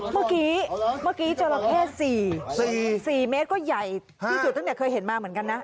เมื่อกี้เมื่อกี้จราเข้๔๔เมตรก็ใหญ่ที่สุดตั้งแต่เคยเห็นมาเหมือนกันนะ